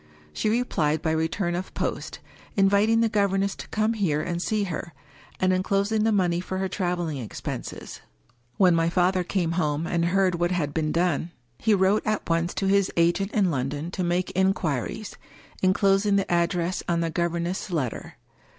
She replied by re turn of post, inviting the governess to come here and see her, and inclosing the money for her traveling expenses. When my father came home, and heard what had been done, he wrote at once to his agent in London to make inquiries, inclosing the address on the governess* letter.